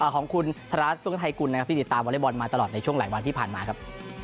ของคุณธรรมดาธิกรที่ติดตามวละวัลย์บอลมาตลอดในช่วงหลายวันที่ผ่านมาครับ